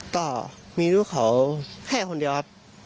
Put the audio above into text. ก็มีลูกเขาแค่คนเดียวครับ